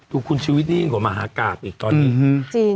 ดูคุณชีวิตนี่ยิ่งกว่ามหากาศอีกตอนนี้